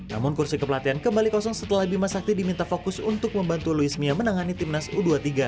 namun kursi kepelatihan kembali kosong setelah bima sakti diminta fokus untuk membantu louis mia menangani timnas u dua puluh tiga